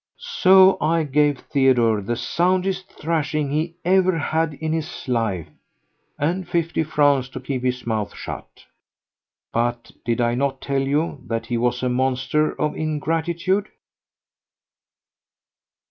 ... So I gave Theodore the soundest thrashing he ever had in his life, and fifty francs to keep his mouth shut. But did I not tell you that he was a monster of ingratitude?